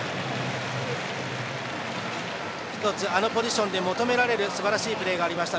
あのポジションで求められるすばらしいプレーがありました。